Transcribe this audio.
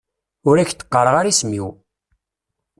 Ur ak-d-qqareɣ ara isem-iw.